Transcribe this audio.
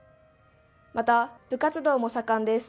また、部活動も盛んです。